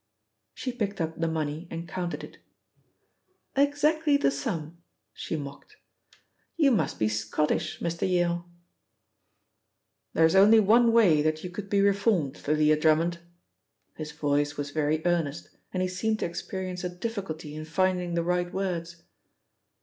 She picked up the money and counted it. "Exactly the sum," she mocked. "You must be Scottish, Mr. Yale." "There is only one way that you could be reformed, Thalia Drummond." His voice was very earnest, and he seemed to experience a difficulty in finding the right words.